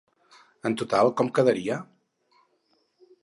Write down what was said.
En total com quedaria?